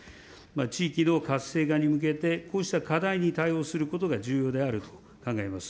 地域の活性化に向けて、こうした課題に対応することが重要であると考えます。